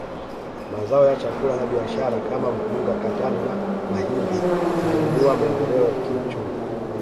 Mazao ya chakula na biashara kama mpunga katani na mahindi zimeinua maendeleo kiuchumi